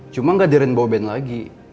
cuma nggak di rainbow band lagi